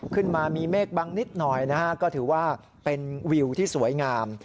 ขึ้นมามีเมฆบังนิดหน่อยนะฮะก็ถือว่าเป็นวิวที่สวยงาม